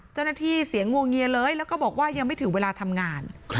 เจ้าหน้าที่เสียงงวงเงียเลยแล้วก็บอกว่ายังไม่ถือเวลาทำงาน